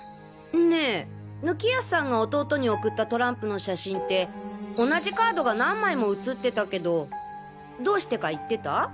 ねぇ貫康さんが弟に送ったトランプの写真って同じカードが何枚も写ってたけどどうしてか言ってた？